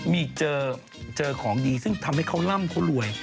มีเจอของดีซึ่งทำให้เขาร่ำเขารวย